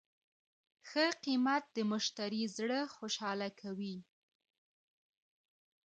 ښه قیمت د مشتری زړه خوشحاله کوي.